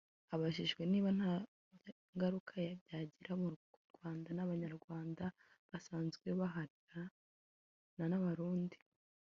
Abajijwe niba nta ngaruka byagira ku Rwanda n’Abanyarwanda basanzwe bahahirana n’Abarundi